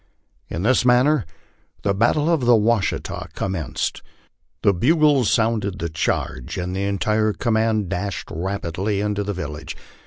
In this manner the battle of the Washita commenced. The bugles sounded the charge, and the entire command dashed rapidly into the village.